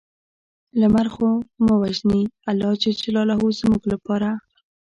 لمر خو مه وژنې الله ج زموږ لپاره